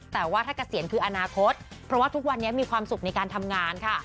แต่ว่าถ้าเกษียณคืออนาคตเพราะว่าทุกวันนี้มีความสุขในการทำงานค่ะ